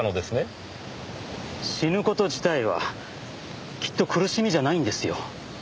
死ぬ事自体はきっと苦しみじゃないんですよ。